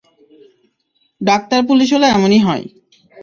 Doctor, police হলে এমনই হয়!